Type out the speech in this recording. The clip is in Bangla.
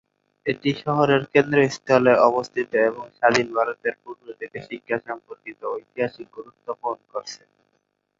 এটি শহরের কেন্দ্রস্থলে অবস্থিত এবং স্বাধীন ভারতের পূর্ব থেকে শিক্ষা সম্পর্কিত ঐতিহাসিক গুরুত্ব বহন করছে।